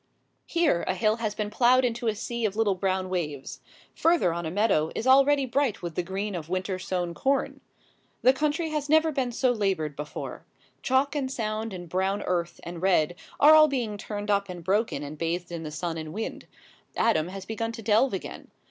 Here a hill has been ploughed into a sea of little brown waves. Further on a meadow is already bright with the green of winter sown corn. The country has never been so laboured before. Chalk and sand and brown earth and red are all being turned up and broken and bathed in the sun and wind. Adam has begun to delve again.